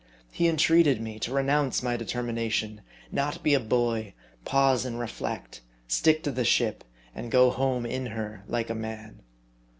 He entreated me to renounce my determination, not be a boy, pause and reflect, stick to the ship, and go home in her like a man.